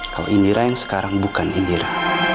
kalau indira yang sekarang bukan indira